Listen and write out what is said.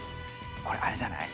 これあれじゃない？